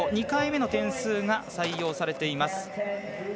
２回目の点数が採用されています。